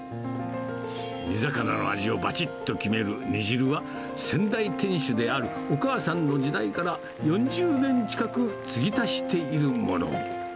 煮魚の味をばちっと決める煮汁は、先代店主であるお母さんの時代から４０年近くつぎ足しているもの。